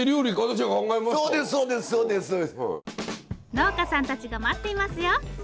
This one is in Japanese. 農家さんたちが待っていますよ。